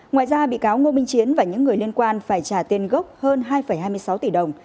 ngoài ra bị cáo ngô minh chiến và những người liên quan phải trả tiền gốc hơn hai hai mươi sáu tỷ đồng